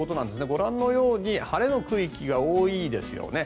ご覧のように晴れの区域が多いですよね。